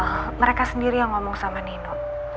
karena mereka sendiri yang ngomong sama nino